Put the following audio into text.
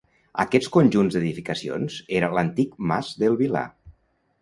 Aquests conjunts d'edificacions era l'antic mas del Vilar.